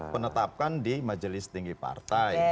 penetapkan di majelis tinggi partai